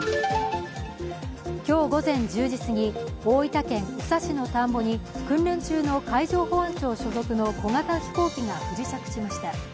今日午前１０時すぎ、大分県宇佐市の田んぼに訓練中の海上保安庁所属の小型飛行機が不時着しました。